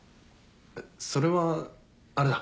えっそれはあれだ。